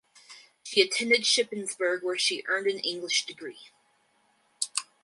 She attended Shippensburg where she earned an English degree.